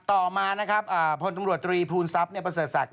ต่อมานะครับพลตำรวจตรีภูมิทรัพย์ประเสริฐศักดิ